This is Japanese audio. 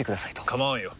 構わんよ。